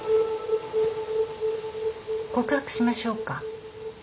告白しましょうか？